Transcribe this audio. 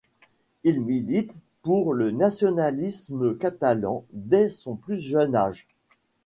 Il milite pour le nationalisme catalan dès son plus jeune âge.